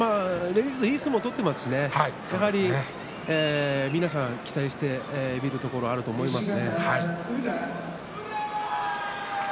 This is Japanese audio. いい相撲も取っていますし皆さん期待しているところもあると思います。